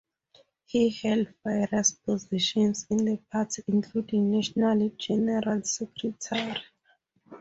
He held various positions in the party including national general secretary.